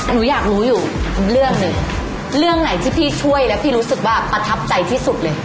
หนูอยากรู้อยู่เรื่องหนึ่งเรื่องไหนที่พี่ช่วยแล้วพี่รู้สึกว่าประทับใจที่สุดเลย